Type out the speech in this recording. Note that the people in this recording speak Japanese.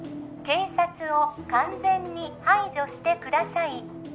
警察を完全に排除してください